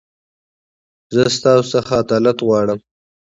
زه تاسو خڅه عدالت غواړم.